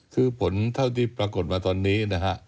คือผลเท่าที่ปรากฏมาตอนนี้นะฮะ